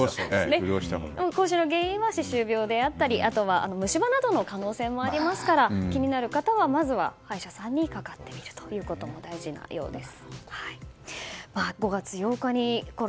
口臭の原因は歯周病であったり虫歯の可能性もありますから気になる方は歯医者さんにかかってみるのも大事です。